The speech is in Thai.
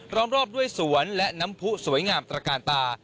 รอบด้วยสวนและน้ำผู้สวยงามตระกาลตา